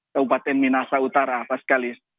keupatan minasa utara pascalis